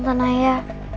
kasian tante naya